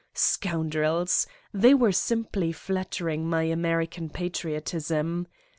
Scoundrels! They were simply flattering my American patriotism.